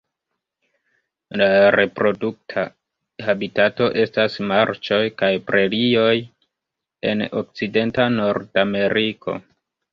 La reprodukta habitato estas marĉoj kaj prerioj en okcidenta Nordameriko.